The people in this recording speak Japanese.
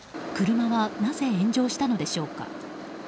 車はなぜ炎上したのでしょうか。